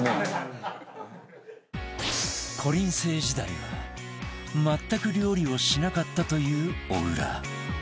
こりん星時代は全く料理をしなかったという小倉